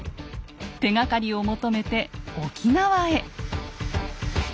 手がかりを求めて沖縄へ。